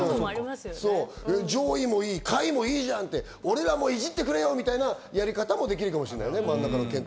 上位もいい、下位もいいじゃんって、俺らもいじってくれよみたいなやり方もできるかもしれないね。